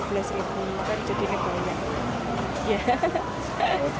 kan jadi nebanya